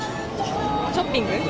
ショッピング。